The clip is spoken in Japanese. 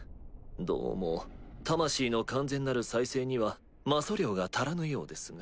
どうも魂の完全なる再生には魔素量が足らぬようですが。